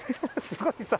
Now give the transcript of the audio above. すごいさ。